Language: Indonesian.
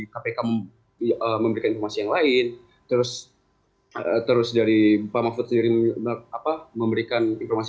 kpk memberikan informasi yang lain terus terus dari pak mahfud sendiri apa memberikan informasi